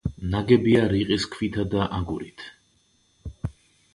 ნაგებია რიყის ქვითა და აგურით.